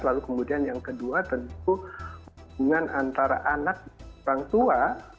lalu kemudian yang kedua tentu hubungan antara anak dan orang tua